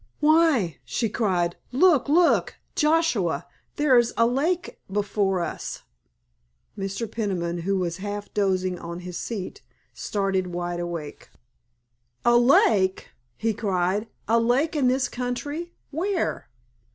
"Why," she cried, "look, look, Joshua, there is a lake before us!" Mr. Peniman, who was half dozing on his seat, started wide awake. "A lake?" he cried. "A lake in this country? Where?"